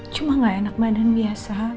cuma gak enak mainan biasa